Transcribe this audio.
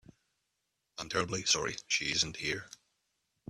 I'm terribly sorry she isn't here.